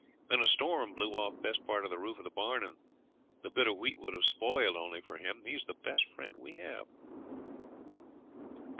Then a storm blew off best part of the roof of the barn, and the bit of wheat would have been spoiled only for him. He's the best friend we have.'